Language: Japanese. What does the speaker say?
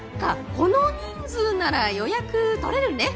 この人数なら予約とれるね。